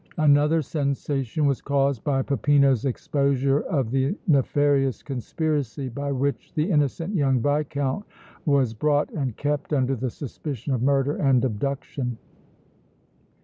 Another sensation was caused by Peppino's exposure of the nefarious conspiracy by which the innocent young Viscount was brought and kept under the suspicion of murder and abduction.